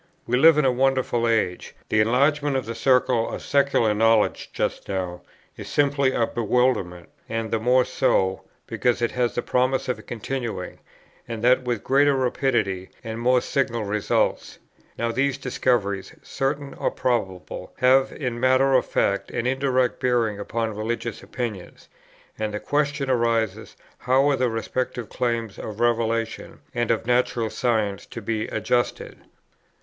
We live in a wonderful age; the enlargement of the circle of secular knowledge just now is simply a bewilderment, and the more so, because it has the promise of continuing, and that with greater rapidity, and more signal results. Now these discoveries, certain or probable, have in matter of fact an indirect bearing upon religious opinions, and the question arises how are the respective claims of revelation and of natural science to be adjusted.